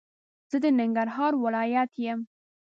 زه د ننګرهار ولايت يم